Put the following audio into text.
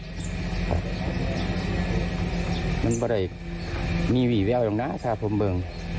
งี่วิ่งแย่ลงเข้าไปทางหน้าสระพร้อมเบิ่ง